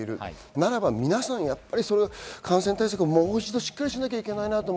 ならば皆さん、やっぱり感染対策をしっかりしなきゃいけないなと。